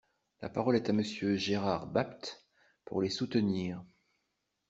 La parole est à Monsieur Gérard Bapt, pour les soutenir.